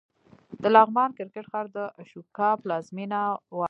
د لغمان کرکټ ښار د اشوکا پلازمېنه وه